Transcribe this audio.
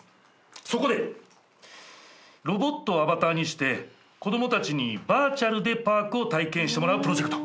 そこでロボットをアバターにして子供たちにバーチャルでパークを体験してもらうプロジェクト。